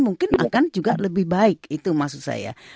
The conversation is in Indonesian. mungkin akan juga lebih baik itu maksud saya